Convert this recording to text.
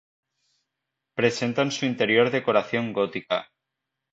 Presenta en su interior decoración gótica.